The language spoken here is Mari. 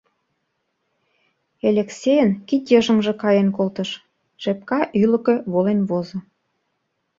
Элексейын кидйыжыҥже каен колтыш, шепка ӱлыкӧ волен возо.